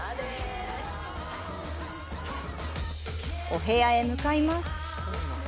お部屋へ向かいます。